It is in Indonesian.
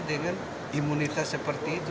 dengan imunitas seperti itu